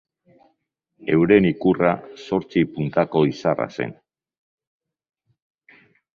Euren ikurra zortzi puntako izarra zen.